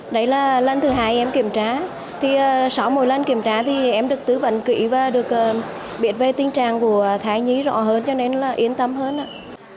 đấy là lần thứ hai em kiểm tra thì sáu mỗi lần kiểm tra thì em được tứ vận kỹ và được biết về tình trạng của thái nhí rõ hơn cho nên là yên tâm hơn ạ